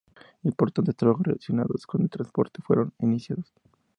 Importantes trabajos relacionados con el transporte fueron iniciados.